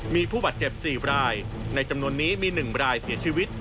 มีผู้บาดเจ็บ๔รายในจำนวนนี้มี๑รายเสียชีวิต